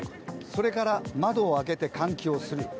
それから、窓を開けて換気をする。